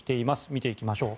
見ていきましょう。